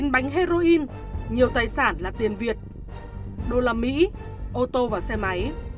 một mươi chín bánh heroin nhiều tài sản là tiền việt đô la mỹ ô tô và xe máy